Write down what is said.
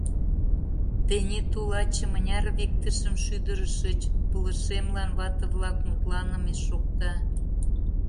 — Тений, тулаче, мыняр виктышым шӱдырышыч? — пылышемлан вате-влак мутланыме шокта.